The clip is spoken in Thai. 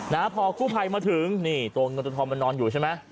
นะฮะพอกู้ภัยมาถึงนี่ตัวเงินตัวทองมันนอนอยู่ใช่ไหม